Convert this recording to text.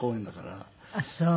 あっそう。